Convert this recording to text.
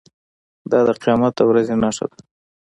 دا د قیامت د ورځې نښه ده.